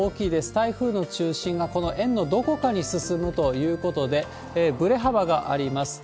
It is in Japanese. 台風の中心がこの円のどこかに進むということで、ぶれ幅があります。